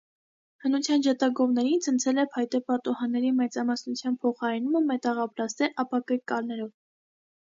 Հնության ջատագովներին ցնցել է փայտե պատուհանների մեծամասնության փոխարինումը մետաղապլաստե ապակեկալներով։